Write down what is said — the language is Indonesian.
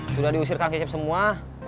sudah diusir kang hisap semua